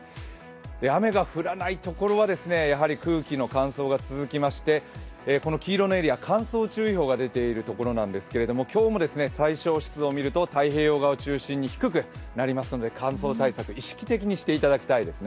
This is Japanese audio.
雨が降らないところは空気の乾燥が続きまして、この黄色のエリア、乾燥注意報が出ているところなんですが今日も最小湿度を見ると太平洋側を中心に低く出てますので乾燥対策を意識的にしていただきたいですね。